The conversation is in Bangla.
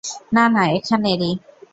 না, না, এখানেরই।